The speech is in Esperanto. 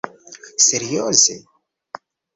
Serioze?